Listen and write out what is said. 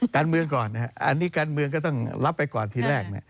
การเมืองก่อนอันนี้การเมืองก็ต้องรับไปก่อนทีแรก